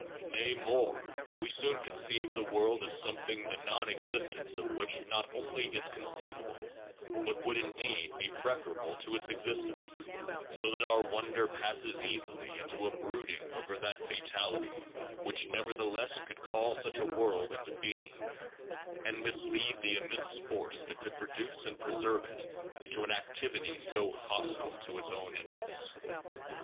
Nay more, we soon conceive the world as something the non existence of which not only is conceivable but would indeed be preferable to its existence; so that our wonder passes easily into a brooding over that fatality which nevertheless could call such a world into being, and mislead the immense force that could produce and preserve it into an activity so hostile to its own interests.